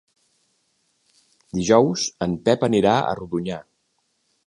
Dijous en Pep anirà a Rodonyà.